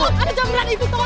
tolong ada jambret itu tolong